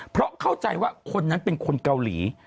เพราะเข้าใจว่าคนนั้นเป็นคนเกาหลี